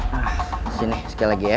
nah sini sekali lagi ya